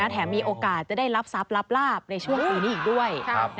แถมมีโอกาสจะได้รับทรัพย์รับลาบในช่วงปีนี้อีกด้วย